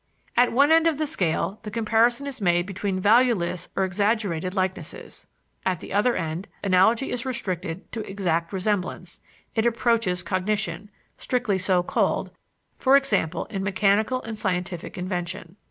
At one end of the scale, the comparison is made between valueless or exaggerated likenesses. At the other end, analogy is restricted to exact resemblance; it approaches cognition, strictly so called; for example, in mechanical and scientific invention.